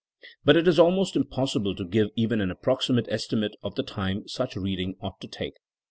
But it is almost impos sible to give even an approximate estimate of the time such reading ought to take.